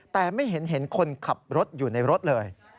แต่ไม่เห็นเห็นคนขับรถอยู่ในรถเลย